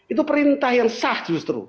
itu perintah yang sah justru